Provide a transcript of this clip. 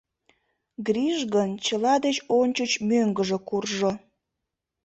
Гриш гын чыла деч ончыч мӧҥгыжӧ куржо.